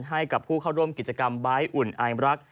ให้กับผู้เข้าร่วมกิจกรรมใบ้อุ่นอายรัก